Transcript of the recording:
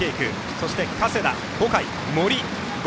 そして加世田、小海、森。